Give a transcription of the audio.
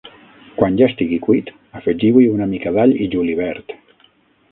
Quan ja estigui cuit, afegiu-hi una mica d'all i julivert.